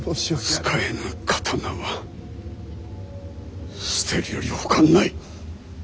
使えぬ刀は捨てるよりほかない！